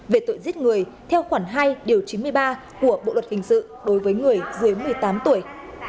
về tội giết người theo khoản hai điều chín mươi ba của bộ luật hình sự đối với người dưới một mươi tám tuổi